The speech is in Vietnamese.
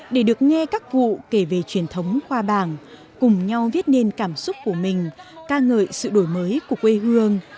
để được nghe các cụ kể về truyền thống khoa bảng cùng nhau viết nên cảm xúc của mình ca ngợi sự đổi mới của quê hương